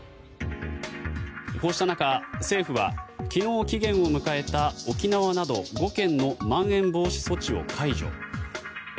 こうした中、政府は昨日期限を迎えた沖縄など５県のまん延防止措置を解除。